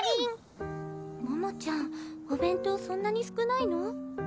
桃ちゃんお弁当そんなに少ないの？